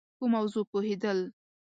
په موضوع پوهېد ل